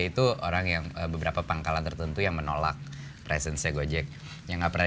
itu orang yang beberapa pangkalan tertentu yang menolak presensi gojek yang enggak pernah